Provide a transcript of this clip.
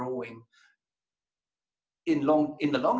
dalam jangka panjang